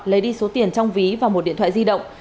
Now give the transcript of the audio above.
lấy đi số tiền trong ví và một điện thoại di động